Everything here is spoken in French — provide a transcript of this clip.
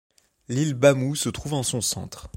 L'île Bamou se trouve en son centre.